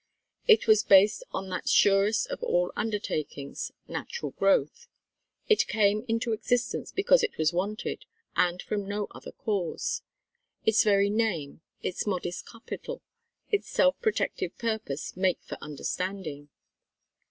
It was based on that surest of all undertakings, natural growth. It came into existence because it was wanted, and from no other cause. Its very name, its modest capital, its self protective purpose make for understanding.